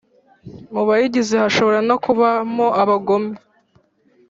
Mubayigize hashobora nokubamo abagome.